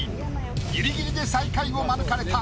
ギリギリで最下位を免れた。